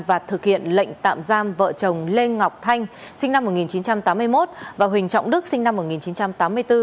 và thực hiện lệnh tạm giam vợ chồng lê ngọc thanh sinh năm một nghìn chín trăm tám mươi một và huỳnh trọng đức sinh năm một nghìn chín trăm tám mươi bốn